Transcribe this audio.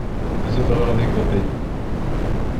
Zedɣeɣ di Kobe.